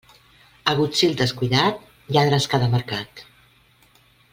Agutzil descuidat, lladres cada mercat.